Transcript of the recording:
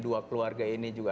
dua keluarga ini juga